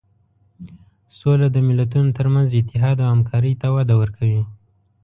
سوله د ملتونو تر منځ اتحاد او همکاري ته وده ورکوي.